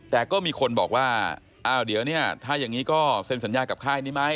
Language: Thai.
แต่ก็มีคนบอกว่าอ้าวเดี๋ยวเนี่ยถ้าอย่างนี้ก็เซ็นสัญญากับค่ายนี้ไหม